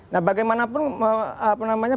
nah bagaimanapun apa namanya